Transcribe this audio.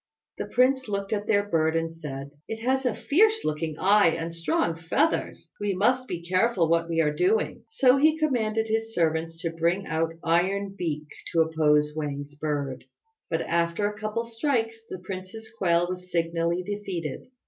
The Prince looked at their bird and said, "It has a fierce looking eye and strong feathers. We must be careful what we are doing." So he commanded his servants to bring out Iron Beak to oppose Wang's bird; but, after a couple of strikes, the prince's quail was signally defeated.